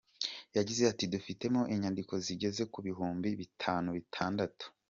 Yagize ati “Dufitemo inyandiko zigeze ku bihumbi bitanu … bitandatu.